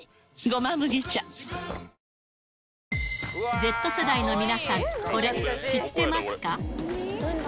Ｚ世代の皆さん、これ、知ってますか？